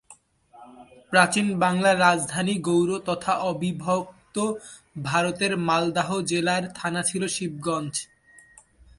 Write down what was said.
প্রাচীন বাংলার রাজধানী গৌড় তথা অবিভক্ত ভারতের মালদহ জেলার থানা ছিল শিবগঞ্জ।